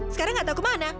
sekarang nggak tahu kemana